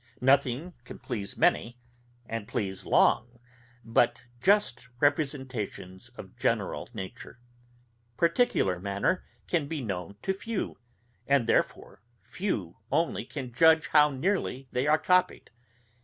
Nothing can please many, and please long, but just representations of general nature. Particular manner, can be known to few, and therefore few only can judge how nearly they are copied.